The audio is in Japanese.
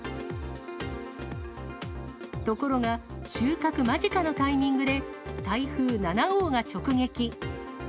ところが、収穫間近のタイミングで、台風７号が直撃。